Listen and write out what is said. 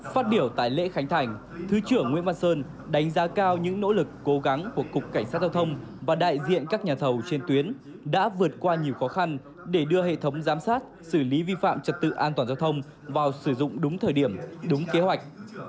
phát biểu tại lễ khánh thành thứ trưởng nguyễn văn sơn đánh giá cao những nỗ lực cố gắng của cục cảnh sát giao thông và đại diện các nhà thầu trên tuyến đã vượt qua nhiều khó khăn để đưa hệ thống giám sát xử lý vi phạm trật tự an toàn giao thông vào sử dụng đúng thời điểm đúng kế hoạch